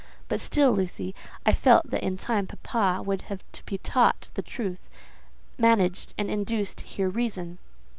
But still, Lucy, I felt that in time papa would have to be taught the truth, managed, and induced to hear reason.